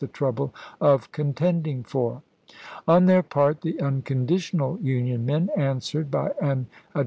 the trouble of contending for." On their part, Ims]^' the Unconditional Union Men answered by an ad ibid.